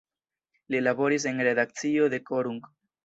Li laboris en redakcio de "Korunk".